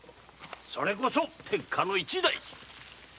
それこそ天下の一大事！